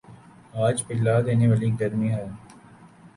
آج پگھلا دینے والی گرمی ہے